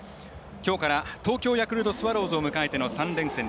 きょうから東京ヤクルトスワローズを迎えての３連戦。